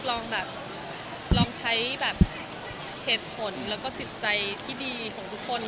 ลองแบบลองใช้แบบเหตุผลแล้วก็จิตใจที่ดีของทุกคน